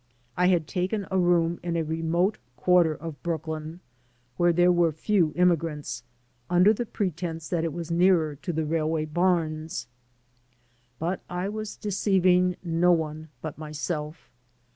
I had taken a room in a remote quarter of Brooklyn, where there were few immigrants, under the pretense that it was nearer td the railway bams. But I was deceiving no one but myself.